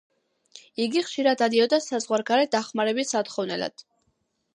იგი ხშირად დადიოდა საზღვარგარეთ დახმარების სათხოვნელად.